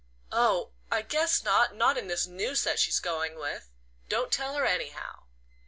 "Oh, I guess not not in this new set she's going with! Don't tell her ANYHOW."